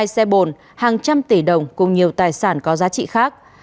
hai mươi hai xe bồn hàng trăm tỷ đồng cùng nhiều tài sản có giá trị khác